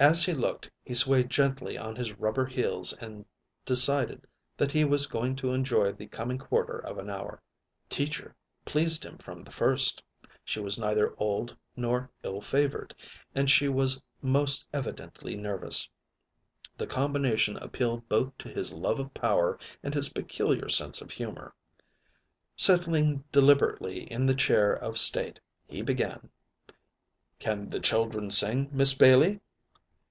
As he looked he swayed gently on his rubber heels and decided that he was going to enjoy the coming quarter of an hour. Teacher pleased him from the first. She was neither old nor ill favored, and she was most evidently nervous. The combination appealed both to his love of power and his peculiar sense of humor. Settling deliberately in the chair of state, he began: "Can the children sing, Miss Bailey?"